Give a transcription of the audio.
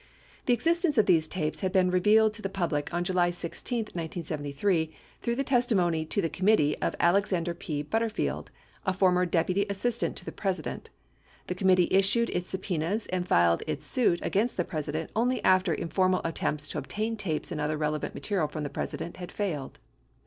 The existence of these tapes had been revealed to the public on July 16, 1973, through the testimony to the committee of Alexander P. Butterfield, a former Deputy Assistant to the President. The committee issued its subpenas and filed its suit against the Presi dent only after informal attempts to obtain tapes and other relevant material from the President had failed.